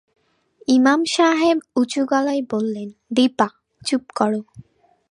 ইমাম সাহেব উঁচু গলায় বললেন, দিপা, চুপ কর।